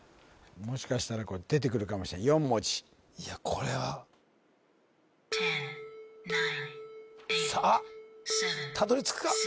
もしかしたら出てくるかもしれない４文字いやこれはさあったどり着くか？